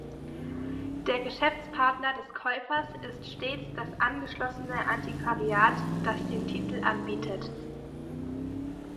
Der Geschäftspartner des Käufers ist stets das angeschlossene Antiquariat, das den Titel anbietet.